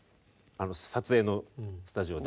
撮影のスタジオで。